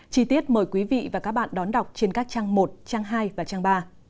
chi tiết mời quý vị và các bạn đón đọc trên các trang một trang hai và trang ba